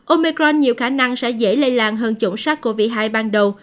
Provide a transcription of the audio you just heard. omecron nhiều khả năng sẽ dễ lây lan hơn chủng sars cov hai ban đầu